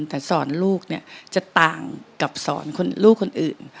แต่สอนลูกเนี่ยจะต่างกับสอนลูกคนอื่น